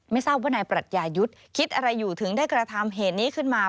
ไม่ทราบว่านายปรัชญายุทธ์คิดอะไรอยู่ถึงได้กระทำเหตุนี้ขึ้นมา